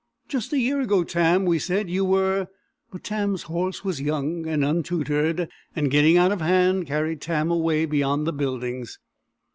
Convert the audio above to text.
"Just a year ago, Tam," we said, "you were..." but Tam's horse was young and untutored, and, getting out of hand, carried Tam away beyond the buildings.